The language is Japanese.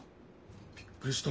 びっくりした。